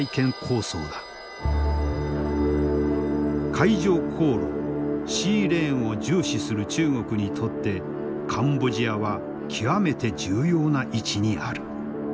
海上航路シーレーンを重視する中国にとってカンボジアは極めて重要な位置にある。